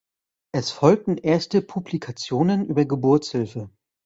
Es folgten erste Publikationen über Geburtshilfe.